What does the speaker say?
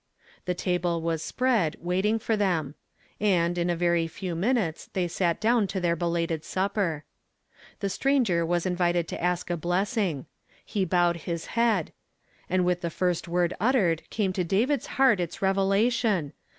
The table was spread, waiting for them ; and, in a very few minutes, thoy sat down for their belated supper. The stranger was invited to ask a blessing. He bowed his head and with the flrat word uttered came to David's Iieart its revelation.